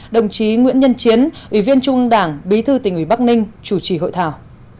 đồng chí nguyễn nhân chiến ủy viên trung ương đảng bí thư tỉnh ủy bắc ninh chủ trì hội thảo